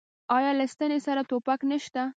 آیا له ستنې تر ټوپکه نشته؟